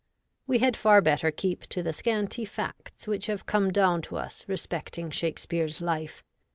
We had far better keep to the scanty facts which have come down to us respecting Shakespeare's life.